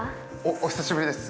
お久しぶりです。